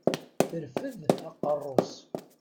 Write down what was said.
Terfed aqerru-s.